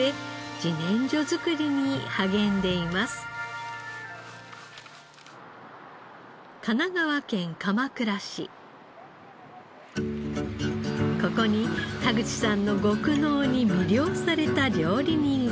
ここに田口さんの極濃に魅了された料理人がいます。